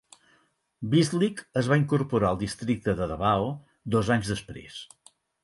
Bislig es va incorporar al districte de Davao dos anys després.